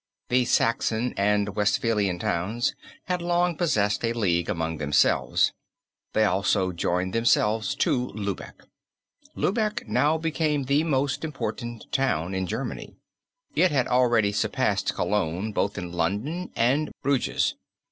The Saxon and Westphalian towns had long possessed a league among themselves; they also joined themselves to Lübeck. Lübeck now became the most important town in Germany. It had already surpassed Cologne both in London and Bruges.